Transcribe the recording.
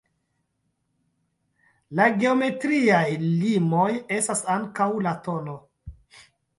La geometriaj limoj estas ankaŭ la tn.